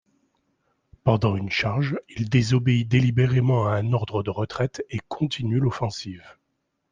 Pendant une charge, il désobéit délibérément à un ordre de retraite et continue l'offensive.